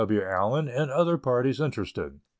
W. Allen and other parties interested.